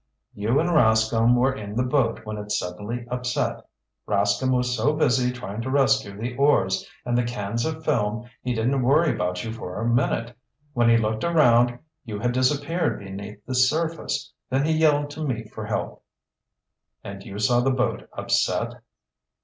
"You and Rascomb were in the boat when it suddenly upset. Rascomb was so busy trying to rescue the oars and the cans of film he didn't worry about you for a minute. When he looked around, you had disappeared beneath the surface. Then he yelled to me for help." "And you saw the boat upset?"